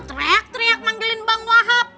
teriak teriak manggilin bang wahab